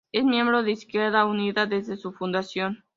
Es miembro de Izquierda Unida desde su fundación.